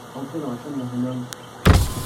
Entrer dans la chambre d’un jeune homme !